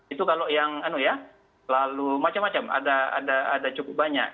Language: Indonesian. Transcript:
itu kalau yang lalu macam macam ada cukup banyak